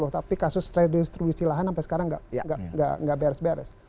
tapi kasus redistribusi lahan sampai sekarang gak beres beres